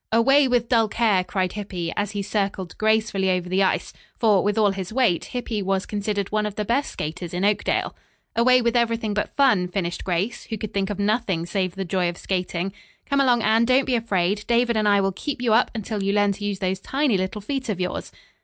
"Away with dull care!" cried Hippy, as he circled gracefully over the ice; for, with all his weight, Hippy was considered one of the best skaters in Oakdale. "Away with everything but fun," finished Grace who could think of nothing save the joy of skating. "Come along, Anne. Don't be afraid. David and I will keep you up until you learn to use those tiny little feet of yours."